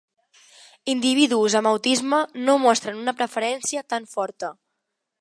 Individus amb autisme no mostren una preferència tan forta.